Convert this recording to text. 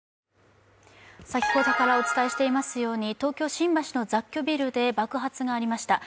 先ほどからお伝えしていますように東京・新橋の雑居ビルで爆発がありました。